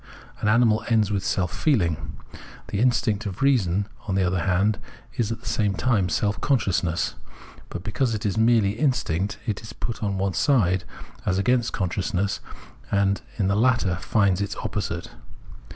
An animal ends with self feehng. The instinct of reason, on the other hand,, is, at the same time, self consciousness. But because it is merely instinct, it is put on one side as against consciousness, and in the latter finds its opposite.